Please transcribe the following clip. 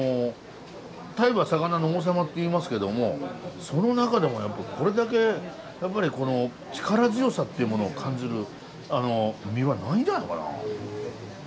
タイは魚の王様っていいますけどもその中でもやっぱりこれだけ力強さっていうものを感じる身はないんじゃないかな。